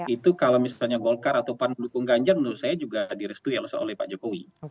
itu kalau misalnya golkar atau pan mendukung ganjar menurut saya juga direstui oleh pak jokowi